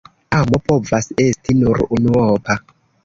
Amo povas esti nur unuopa.